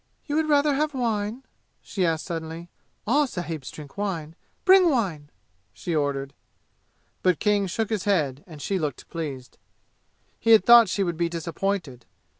"You would rather have wine?" she asked suddenly. "All sahibs drink wine. Bring wine!" she ordered. But King shook his head, and she looked pleased. He had thought she would be disappointed.